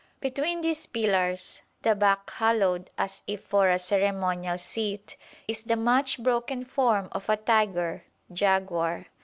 Between these pillars, the back hollowed as if for a ceremonial seat, is the much broken form of a tiger (jaguar).